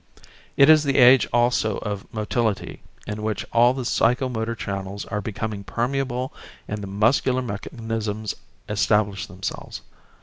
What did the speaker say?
It is the age also of motility in which all the psycho motor channels are becoming permeable and the muscular mechanisms establish themselves.